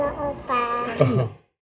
tidak ada takut di dunia